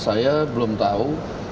saya belum tahu